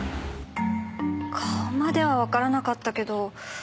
顔まではわからなかったけど。